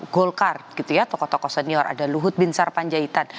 golkar gitu ya tokoh tokoh senior ada luhut bin sarpanjaitan